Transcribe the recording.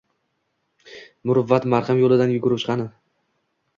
Muruvvat, marhamat yo'lidan yurguvchi qani?